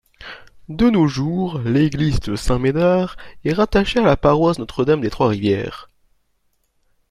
De nos jours, l'église de Saint-Médard est rattachée à la paroisse Notre-Dame-des-Trois-Rivières.